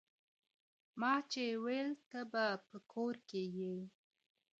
ما چي ول ته به په کور کي يې